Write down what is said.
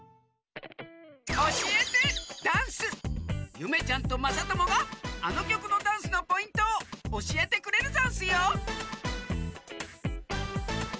ゆめちゃんとまさともがあのきょくのダンスのポイントをおしえてくれるざんすよ